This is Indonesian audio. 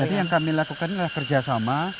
jadi yang kami lakukan adalah kerjasama